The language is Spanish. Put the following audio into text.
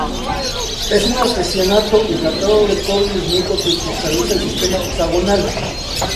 Es un arseniato hidratado de cobre y bismuto que cristaliza en el sistema hexagonal.